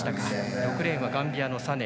６レーンはガンビアのサネー。